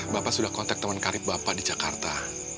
bapak sudah kontak teman karir bapak di jakarta